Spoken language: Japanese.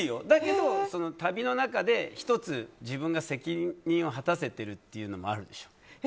でも、旅の中で１つ責任を果たせてるというのもあるでしょ。